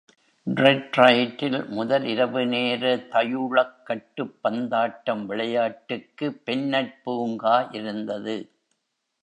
டெட்ராய்டில் முதல் இரவுநேர தயூளக்கட்டுப் பந்தாட்டம் விளையாட்டுக்கு பென்னட் பூங்கா இருந்தது.